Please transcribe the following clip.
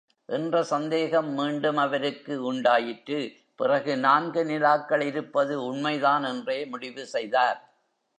என்ற சந்தேகம் மீண்டும் அவருக்கு உண்டாயிற்று, பிறகு நான்கு நிலாக்கள் இருப்பது உண்மைதான் என்றே முடிவு செய்தார்.